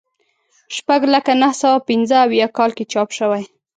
شپږ لکه نهه سوه پنځه اویا کال کې چاپ شوی.